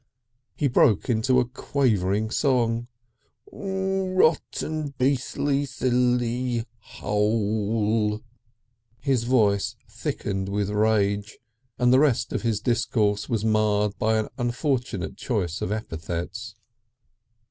He broke into a quavering song. "Ro o o tten Be e astly Silly Hole!" His voice thickened with rage, and the rest of his discourse was marred by an unfortunate choice of epithets.